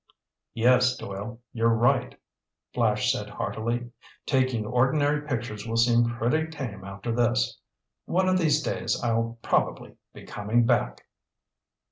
"Yes, Doyle, you're right," Flash said heartily. "Taking ordinary pictures will seem pretty tame after this. One of these days I'll probably be coming back."